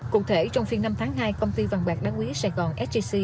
cụ thể trong phiên năm tháng hai công ty vàng bạc đá quý sài gòn sgc